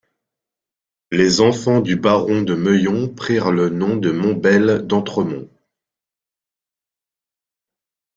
Les enfants du baron de Meuillon prirent le nom de Montbel d'Entremont.